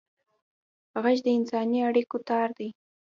غږ د انساني اړیکو تار دی